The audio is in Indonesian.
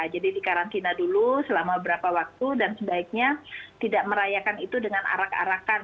dikarantina dulu selama berapa waktu dan sebaiknya tidak merayakan itu dengan arak arakan